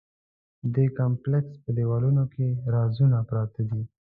د دې کمپلېکس په دیوالونو کې رازونه پراته دي.